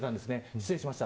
失礼しました。